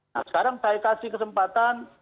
nah sekarang saya kasih kesempatan